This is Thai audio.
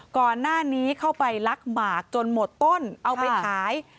ก่อนหน้านี้เข้าไปลักหมากจนหมดต้นเอาไปขาย